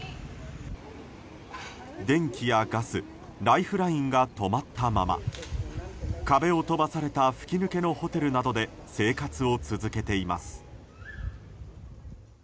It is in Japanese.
電気やガスライフラインが止まったまま壁を飛ばされた吹き抜けのホテルなどで生活を続けています。